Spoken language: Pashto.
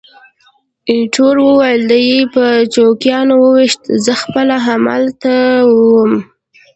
ایټور وویل: دی یې په چوکیانو وویشت، زه خپله همالته وم.